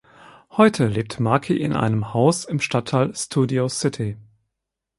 Heute lebt Maki in einem Haus im Stadtteil Studio City.